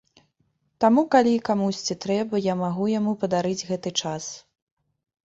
Таму калі камусьці трэба, я магу яму падарыць гэты час.